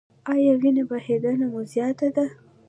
ایا وینې بهیدنه مو زیاته ده؟